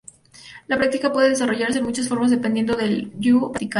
La práctica puede desarrollarse de muchas formas dependiendo del "ryu" practicado.